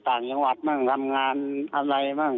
ต่างจังหวัดทั้งงานอะไรมั่ง